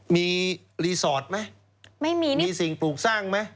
มีรีสอร์ทไหมมีสิ่งปลูกสร้างไหม